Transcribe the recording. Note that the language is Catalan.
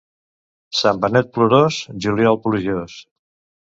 Sant Benet plorós, juliol plujós.